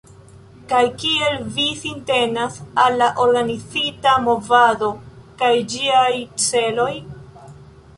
Kaj kiel vi sintenas al la organizita movado kaj ĝiaj celoj?